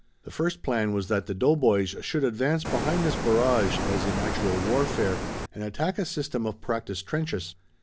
The first plan was that the doughboys should advance behind this barrage as in actual warfare and attack a system of practice trenches.